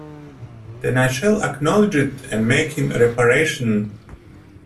Then I shall acknowledge it and make him reparation.